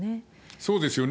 そうですよね。